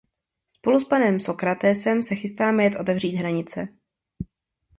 Spolu s panem Sócratesem se chystáte jet otevřít hranice.